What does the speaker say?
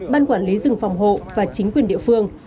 ban quản lý rừng phòng hộ và chính quyền địa phương